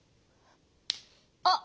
あっ！